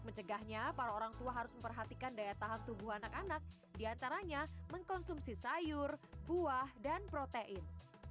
mencegahnya para orang tua harus memperhatikan daya tahan tubuh anak anak diantaranya mengkonsumsi sayur buah dan protein